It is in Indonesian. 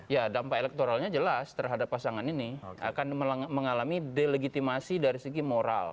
ya dampak elektoralnya jelas terhadap pasangan ini akan mengalami delegitimasi dari segi moral